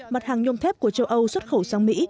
mặt hàng nhôm thép của châu âu xuất khẩu sang mỹ